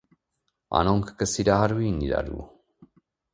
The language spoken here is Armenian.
Անոնք կը սիրահարուին իրարու։